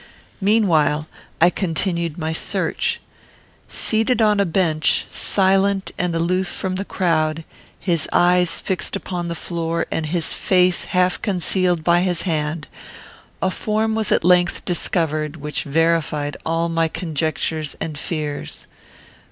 Meanwhile I continued my search. Seated on a bench, silent and aloof from the crowd, his eyes fixed upon the floor, and his face half concealed by his hand, a form was at length discovered which verified all my conjectures and fears.